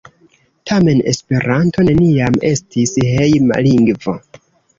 Tamen Esperanto neniam estis hejma lingvo.